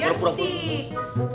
eh lihat sih